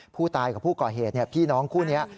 ผู้ตายกับผู้ก่อเหตุพี่น้องคู่นี้